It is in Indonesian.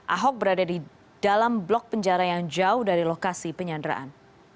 ahok berada di dalam blok penjara yang jauh dari lokasi penyanderaan